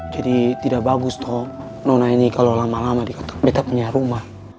jadi tidak bagus toh nona ini kalau lama lama di kata betap punya rumah